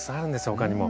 他にも。